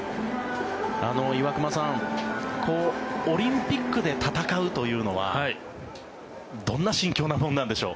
岩隈さんオリンピックで戦うというのはどんな心境なもんなんでしょう。